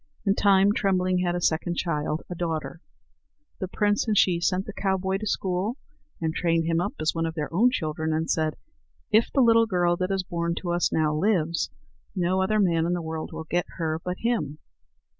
In time Trembling had a second child, a daughter. The prince and she sent the cowboy to school, and trained him up as one of their own children, and said: "If the little girl that is born to us now lives, no other man in the world will get her but him."